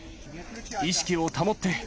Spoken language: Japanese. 意識を保って。